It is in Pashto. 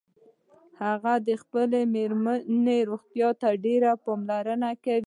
هغه د خپلې میرمنیروغتیا ته ډیره پاملرنه کوي